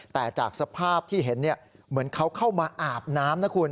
แต่จากสภาพที่เห็นเหมือนเขาเข้ามาอาบน้ำนะคุณ